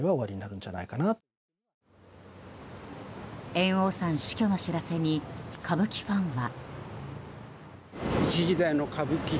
猿翁さん死去の知らせに歌舞伎ファンは。